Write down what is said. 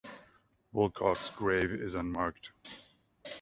Willcocks' grave is unmarked.